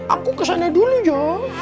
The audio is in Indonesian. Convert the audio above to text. aku kesana dulu ya